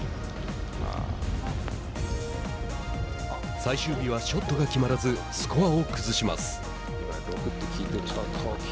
最終日はショットが決まらずスコアを崩します。